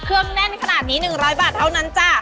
แน่นขนาดนี้๑๐๐บาทเท่านั้นจ้ะ